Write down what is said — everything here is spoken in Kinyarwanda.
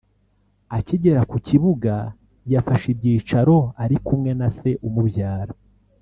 Akigera ku kibuga yafashe ibyicaro ari kumwe na se umubyara